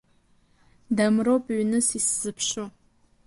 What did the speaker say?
Дамроуп ҩныс исзыԥшу.